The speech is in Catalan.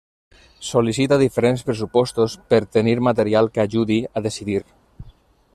Sol·licita diferents pressupostos per tenir material que ajudi a decidir.